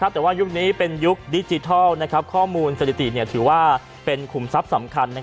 แต่ว่ายุคนี้เป็นยุคดิจิทัลข้อมูลสถิติถือว่าเป็นขุมทรัพย์สำคัญ